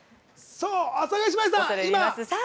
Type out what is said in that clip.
阿佐ヶ谷姉妹さん！